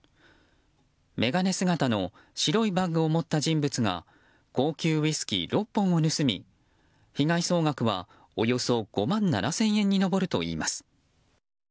眼鏡姿の白いバッグを持った人物が高級ウイスキー６本を盗み被害総額はおよそ５万７０００円に上るといいます。